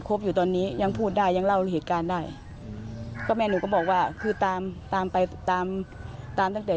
คือเตรียมการรอยตามไปเลยคุณบอกว่าคือเตรียมการรอยตามไปเลย